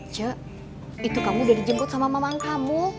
cak itu kamu udah dijemput sama mamang kamu